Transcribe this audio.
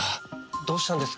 どうしたんですか？